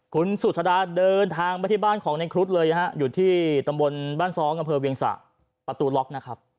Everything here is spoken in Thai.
คุณสุชาดาเดินทางไปที่บ้านของในครุฑเลยนะฮะอยู่ที่ตำบลบ้านซ้องอำเภอเวียงสะประตูล็อกนะครับ